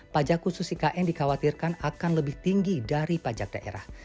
pajak khusus ikn dikhawatirkan akan lebih tinggi dari pajak daerah